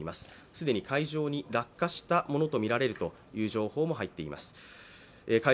既に海上に落下したものとみられるという情報も入っています。